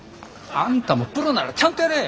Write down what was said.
あんたもプロならちゃんとやれ。